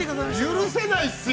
◆許せないですよ。